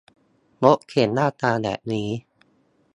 รถเข็นหน้าตาแบบนี้